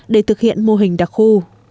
để thực hiện mô hình đặc khu